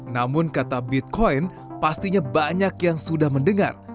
namun kata bitcoin pastinya banyak yang sudah mendengar